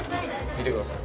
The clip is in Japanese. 見てください。